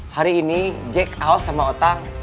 hari ini jack out sama otak